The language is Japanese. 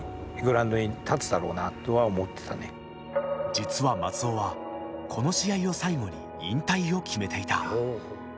実は松尾はこの試合を最後に引退を決めていた。